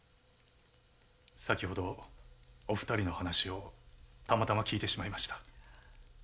先ほどお二人のお話をたまたま聞いてしまいました。